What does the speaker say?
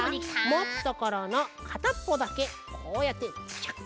もつところのかたっぽだけこうやってグシャ。